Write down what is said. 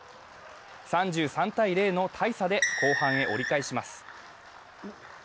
３３−０の大差で後半へ折り返します。